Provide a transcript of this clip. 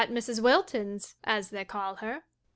At Mrs. Wilton's, as they call her.